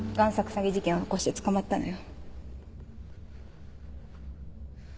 詐欺事件を起こして捕まったのよ。